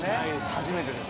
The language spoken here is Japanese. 初めてです。